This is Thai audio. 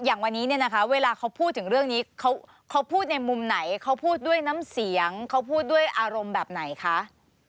อย่างวันนี้เนี่ยนะคะเวลาเขาพูดถึงเรื่องนี้เขาพูดในมุมไหนเขาพูดด้วยน้ำเสียงเขาพูดด้วยอารมณ์แบบไหนคะ